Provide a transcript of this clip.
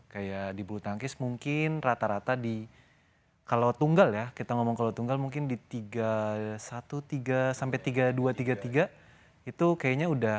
kayak di bulu tangkis mungkin rata rata di kalau tunggal ya kita ngomong kalau tunggal mungkin di tiga puluh satu tiga sampai tiga puluh dua tiga puluh tiga itu kayaknya udah